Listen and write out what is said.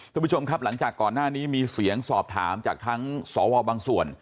คุณผู้ชมครับหลังจากก่อนหน้านี้มีเสียงสอบถามจากทั้งสวบางส่วน